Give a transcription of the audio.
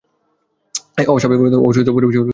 এ অস্বাভাবিক বা অসুস্থ পরিবেশই হলো দূষিত পরিবেশ।